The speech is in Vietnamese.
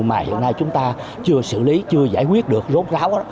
mà hiện nay chúng ta chưa xử lý chưa giải quyết được rốt ráo